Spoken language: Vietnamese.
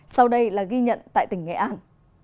sau đây là ghi nhận tại tỉnh nghệ an